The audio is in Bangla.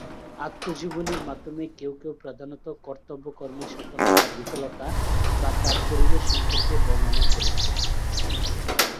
আত্মজীবনীর মাধ্যমে কেউ কেউ প্রধানত কর্তব্যকর্মের সফলতা, বিফলতা বা তার পরিবেশ সম্পর্কে বর্ণনা করেছেন।